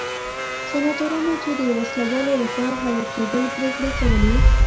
سناتورانو چې د وسله والو لخوا حیه کېدل پرېکړې کولې.